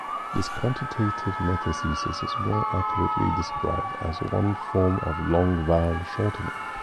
This quantitative metathesis is more accurately described as one form of long-vowel shortening.